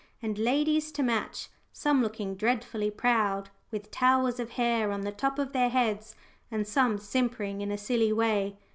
And ladies to match some looking dreadfully proud, with towers of hair on the top of their heads, and some simpering in a silly way.